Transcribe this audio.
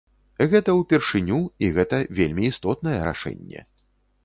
Гэта ўпершыню і гэта вельмі істотнае рашэнне.